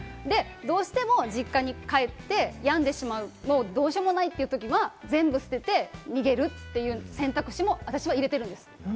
どうしても実家に帰って病んでしまう、どうしようもないというときは全部捨てて逃げるという選択肢も私は入れているんです。